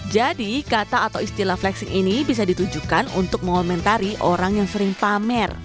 jadi kata atau istilah flexing ini bisa ditujukan untuk mengomentari orang yang sering pamer